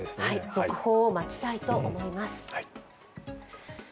続報を待ちたいと思います。